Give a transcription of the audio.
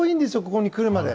ここに来るまで。